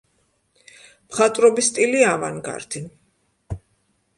მხატვრობის სტილი ავანგარდი.